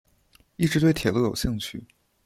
一直对铁路有兴趣。